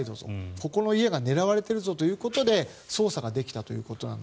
ここの家が狙われてるぞということで捜査ができたということなので。